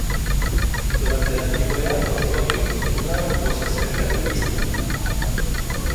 Durante la antigüedad los rodios fundaron Rosas cerca del istmo.